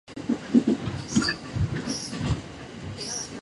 今日の夕飯はうどんでした